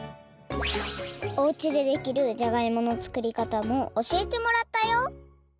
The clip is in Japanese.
おうちでできるじゃがいもの作りかたもおしえてもらったよ